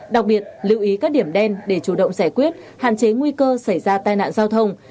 đặc biệt lưu ý các điểm đen để chủ động giải quyết hạn chế nguy cơ xảy ra tai nạn giao thông